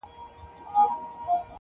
د قرنونو توپانونو پښتانه کور ته راوړی -